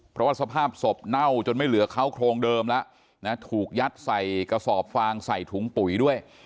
เพราะว่าสภาพศพเน่าจนไม่เหลือเขาโครงเดิมแล้วนะถูกยัดใส่กระสอบฟางใส่ถุงปุ๋ยด้วย